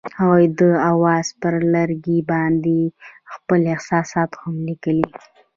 هغوی د اواز پر لرګي باندې خپل احساسات هم لیکل.